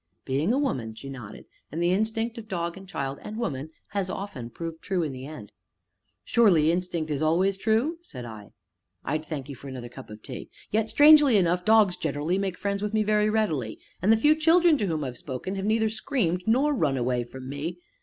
"Being a woman!" she nodded; "and the instinct of dog and child and woman has often proved true in the end." "Surely instinct is always true?" said I "I'd thank you for another cup of tea yet, strangely enough, dogs generally make friends with me very readily, and the few children to whom I've spoken have neither screamed nor run away from me.